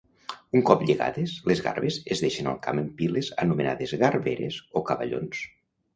Un cop lligades, les garbes es deixen al camp en piles anomenades garberes o cavallons.